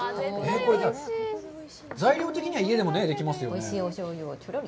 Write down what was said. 材料的には家でもできますよね。